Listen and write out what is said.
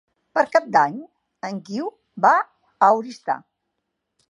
Per Cap d'Any en Guiu va a Oristà.